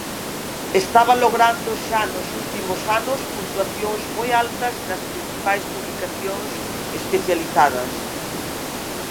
Estaba logrando xa nos últimos anos puntuacións moi altas nas principais publicacións especializadas.